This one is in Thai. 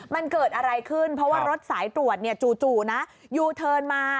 มันเกิดอะไรขึ้นเพราะว่ารถสายตรวจเนี่ยจู่นะยูเทิร์นมา